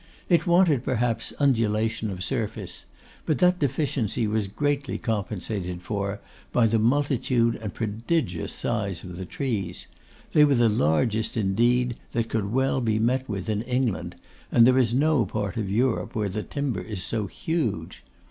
It wanted, perhaps, undulation of surface, but that deficiency was greatly compensated for by the multitude and prodigious size of the trees; they were the largest, indeed, that could well be met with in England; and there is no part of Europe where the timber is so huge.